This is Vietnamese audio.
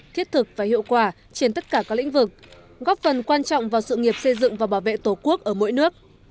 thiết thực và hiệu quả trên tất cả các lĩnh vực góp phần quan trọng vào sự nghiệp xây dựng và bảo vệ tổ quốc ở mỗi nước